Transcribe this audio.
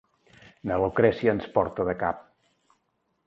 Na Lucrècia ens porta de cap.